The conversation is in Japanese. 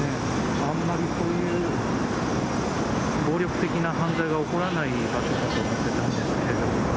あんまりそういう暴力的な犯罪は起こらない場所だと思ってたんですけれども。